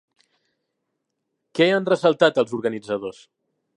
Què han ressaltat els organitzadors?